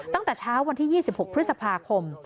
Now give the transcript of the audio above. ตั้งแต่เช้าวันที่๒๖พฤษภาคม